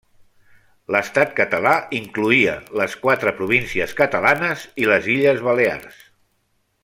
L'Estat català incloïa les quatre províncies catalanes i les Illes Balears.